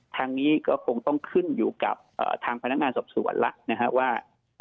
ทางนี้ก็คงต้องขึ้นอยู่กับทางพนักงานสอบสวนแล้วนะครับว่า